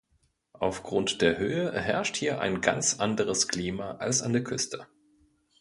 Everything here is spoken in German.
Aufgrund der Höhe herrscht hier ein ganz anderes Klima als an der Küste.